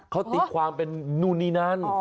เขาตีความเป็นนู่นนี่นั่น